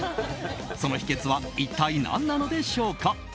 その秘訣は一体何なのでしょうか。